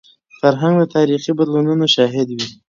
فرهنګ د تاریخي بدلونونو شاهد وي.